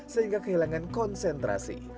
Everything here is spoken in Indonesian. sehingga kehilangan konsentrasi